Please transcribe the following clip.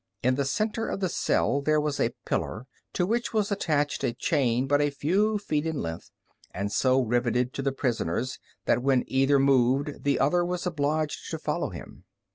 In the centre of the cell there was a pillar to which was attached a chain but a few feet in length, and so riveted to the prisoners that when either moved the other was obliged to follow him.